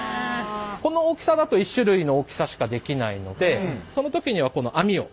この大きさだと１種類の大きさしかできないのでその時にはこの網を。